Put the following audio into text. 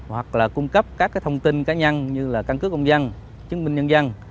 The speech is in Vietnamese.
hoặc là cung cấp các thông tin cá nhân như là căn cứ công dân chứng minh nhân dân